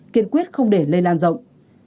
kiên quyết không để lây lan rộng